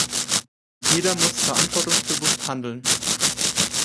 Jeder muss verantwortungsbewusst handeln.